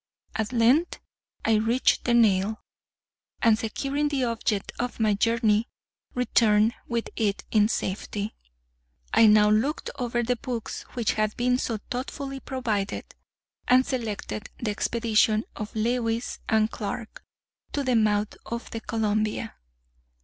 At length I reached the nail, and securing the object of my journey, returned with it in safety. I now looked over the books which had been so thoughtfully provided, and selected the expedition of Lewis and Clarke to the mouth of the Columbia.